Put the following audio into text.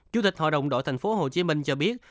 chủ tịch hội đồng đội tp hcm cho biết